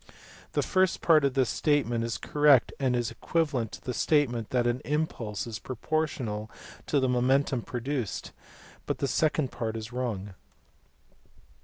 The first part of this statement is correct and is equivalent to the statement that an impulse is proportional to the momentum produced, but the second part is wrong.